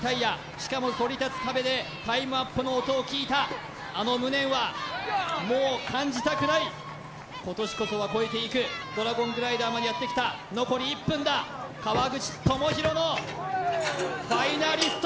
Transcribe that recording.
しかもそり立つ壁でタイムアップの音を聞いたあの無念はもう感じたくない今年こそは越えていくドラゴングライダーまでやってきた残り１分だおっしゃー！